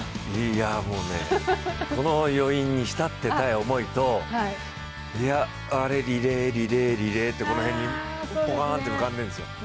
いや、もうね、この余韻に浸っていたい思いと、あれ、リレー、リレー、リレーって、この辺にぽかーんと浮かんでるんですよ。